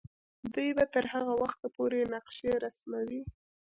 دوی به تر هغه وخته پورې نقشې رسموي.